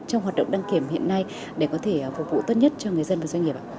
trong hoạt động đăng kiểm hiện nay để có thể phục vụ tốt nhất cho người dân và doanh nghiệp ạ